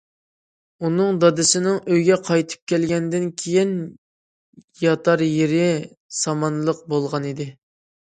ئۇنىڭ دادىسىنىڭ ئۆيىگە قايتىپ كەلگەندىن كېيىن ياتار يېرى سامانلىق بولغانىدى.